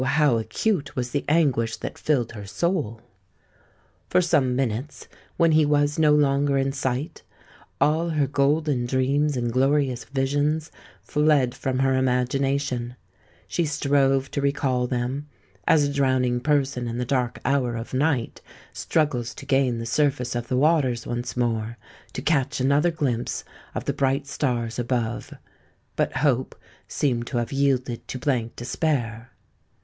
how acute was the anguish that filled her soul! For some minutes—when he was no longer in sight—all her golden dreams and glorious visions fled from her imagination;—she strove to recall them, as a drowning person in the dark hour of night struggles to gain the surface of the waters once more to catch another glimpse of the bright stars above;—but hope seemed to have yielded to blank despair.